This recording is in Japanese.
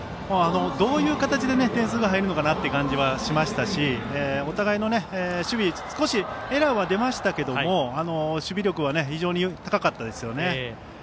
どういう形で点数が入るのかなという感じがしましたしお互いの守備少しエラーは出ましたけど守備力は非常に高かったですよね。